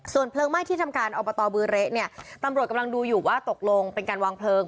เพลิงไหม้ที่ทำการอบตบือเละเนี่ยตำรวจกำลังดูอยู่ว่าตกลงเป็นการวางเพลิง